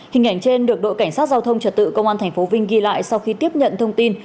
hình ảnh trên được đội cảnh sát giao thông trật tự công an tp vinh ghi lại sau khi tiếp nhận thông tin